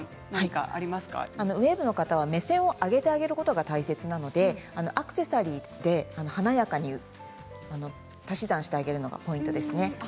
ウエーブの方は目線上げてあげることが大切なのでアクセサリーで華やかに足し算してあげるのがポイントですね。